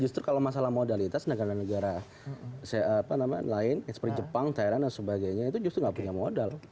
justru kalau masalah modalitas negara negara lain seperti jepang thailand dan sebagainya itu justru nggak punya modal